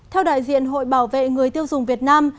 theo đại diện hội bảo vệ người tiêu dùng việt nam